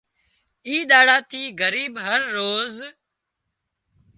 اي ۮاڙا ٿِي ڳريب هروز